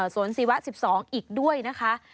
ศิวะ๑๒อีกด้วยนะคะ